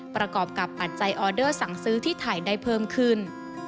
ประกอบกับปัจจัยออเดอร์สั่งซื้อที่ถ่ายได้เพิ่มขึ้น